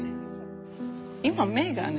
今目がね。